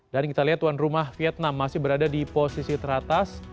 dan kita lihat tuan rumah vietnam masih berada di posisi teratas